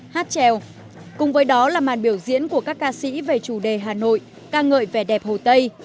hát trèo cùng với đó là màn biểu diễn của các ca sĩ về chủ đề hà nội ca ngợi vẻ đẹp hồ tây